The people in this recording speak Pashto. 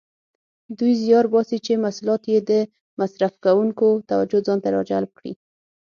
دوی زیار باسي چې محصولات یې د مصرف کوونکو توجه ځانته راجلب کړي.